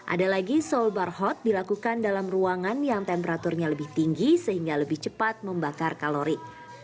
ada lagi soul bar hot dilakukan dalam ruangan yang temperaturnya lebih tinggi sehingga lebih cepat membakar kalori